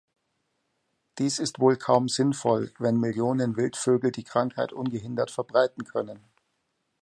Dies ist wohl kaum sinnvoll, wenn Millionen Wildvögel die Krankheit ungehindert verbreiten können.